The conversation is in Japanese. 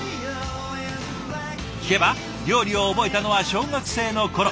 聞けば料理を覚えたのは小学生の頃。